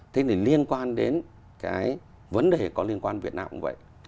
thế thì liên quan đến cái vấn đề có liên quan việt nam cũng vậy